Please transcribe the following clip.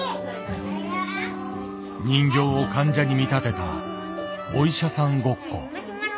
人形を患者に見立てたお医者さんごっこ。